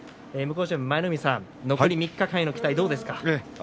向正面の舞の海さん残り３日間への期待はどうですか？